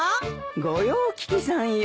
ご用聞きさんよ。